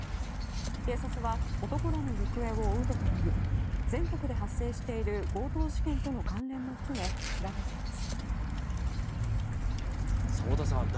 警察は男らの行方を追うとともに全国で発生している強盗事件との関連も含め調べています。